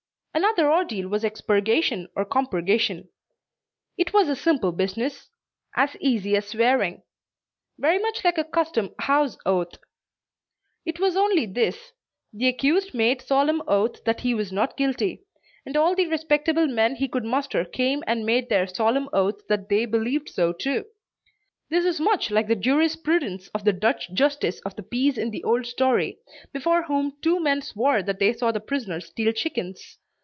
Another ordeal was expurgation or compurgation. It was a simple business "as easy as swearing;" very much like a "custom house oath." It was only this: the accused made solemn oath that he was not guilty, and all the respectable men he could muster came and made their solemn oath that they believed so too. This is much like the jurisprudence of the Dutch justice of the peace in the old story, before whom two men swore that they saw the prisoner steal chickens.